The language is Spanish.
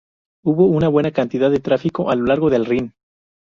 Hubo una buena cantidad de tráfico a lo largo del Rin.